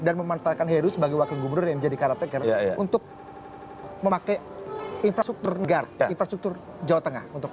dan memanfaatkan heru sebagai wakil gubernur yang menjadi karateker untuk memakai infrastruktur negara infrastruktur jawa tengah